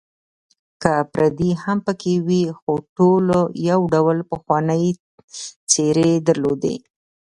که پردي هم پکې وې، خو ټولو یو ډول پخوانۍ څېرې درلودې.